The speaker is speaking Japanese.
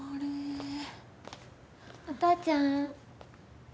お父ちゃん？